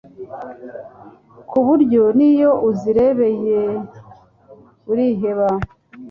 ku buryo n'iyo uzirebeye uriheba